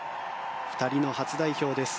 ２人の初代表です。